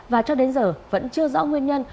và cho đến giờ vẫn chưa rõ nguyên nhân